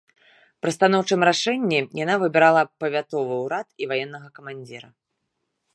Пры станоўчым рашэнні яна выбірала павятовы ўрад і ваеннага камандзіра.